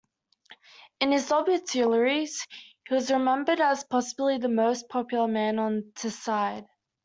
In his obituaries, he was remembered as "possibly the most popular man on Teesside".